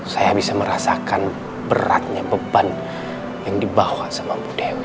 saya bisa merasakan beratnya beban yang dibawa sama bu dewi